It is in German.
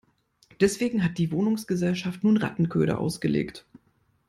Deswegen hat die Wohnungsgesellschaft nun Rattenköder ausgelegt.